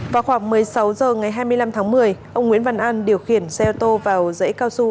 vào khoảng một mươi sáu h ngày hai mươi năm tháng một mươi ông nguyễn văn an điều khiển xe ô tô vào dãy cao su